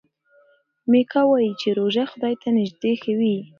میکا وايي چې روژه خدای ته نژدې کوي.